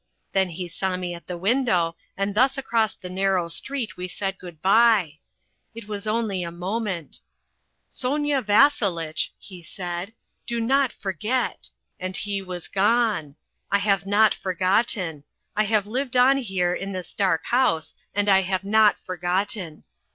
Then he saw me at the window, and thus across the narrow street we said good bye. It was only a moment. 'Sonia Vasselitch,' he said, 'do not forget,' and he was gone. I have not forgotten. I have lived on here in this dark house, and I have not forgotten.